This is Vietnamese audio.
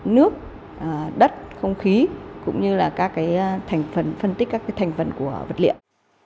nước đất không khí cũng như là các thành phần phân tích các thành phần của vật liệu